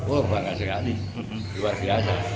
oh bangga sekali luar biasa